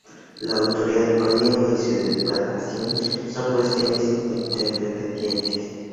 La autoría del "Código" y su datación son cuestiones interdependientes.